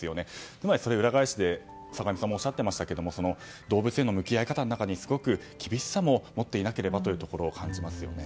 今、それを裏返して坂上さんもおっしゃっていましたが動物への向き合い方の中に厳しさを持っていなければと感じますよね。